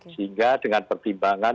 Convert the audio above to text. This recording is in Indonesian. sehingga dengan pertimbangan